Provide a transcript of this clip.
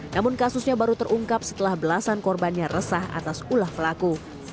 namun kasusnya baru terungkap setelah belasan korbannya resah atas ulah pelaku